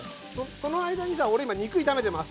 その間にさ俺今肉炒めてます。